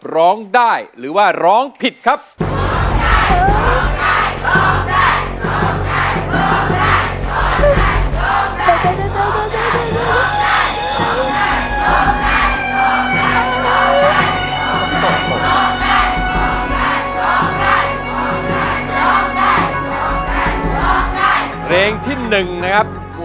ไปหาแม่ได้นะ